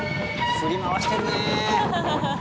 振り回してるね